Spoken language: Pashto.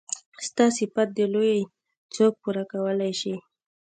ستا صفت د لويي څوک پوره کولی شي.